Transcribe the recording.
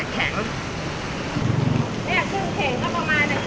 ใช่ป่ะ